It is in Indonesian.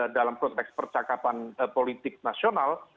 dalam konteks percakapan politik nasional